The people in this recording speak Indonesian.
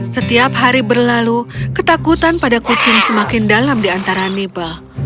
setiap hari berlalu ketakutan pada kucing semakin dalam di antara nipa